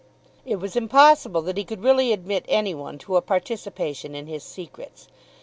It was impossible that he could really admit any one to a participation in his secrets.